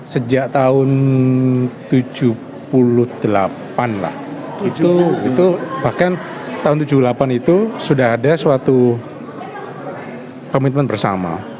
sejak tahun tujuh puluh delapan lah itu bahkan tahun seribu sembilan ratus tujuh puluh delapan itu sudah ada suatu komitmen bersama